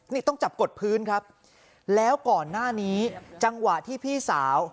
นี่ต้องจับกดพื้นครับแล้วก่อนหน้านี้จังหวะที่พี่สาว